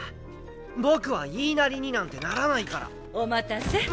僕は言いなりになんてならないから。お待たせ。